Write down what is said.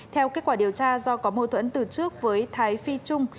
theo kết quả điều tra do có mâu thuẫn từ trước với thái phi trung